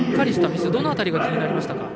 どの辺りが気になりましたか。